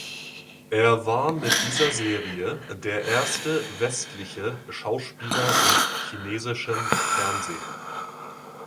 Er war mit dieser Serie der erste westliche Schauspieler im chinesischen Fernsehen.